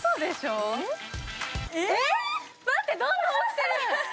えっ、なんかどんどん落ちてる。